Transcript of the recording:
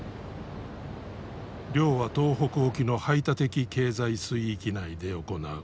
漁は東北沖の排他的経済水域内で行う。